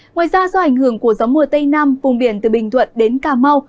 ngoài ra do ảnh hưởng của gió mùa tây nam vùng biển từ bình thuận đến cà mau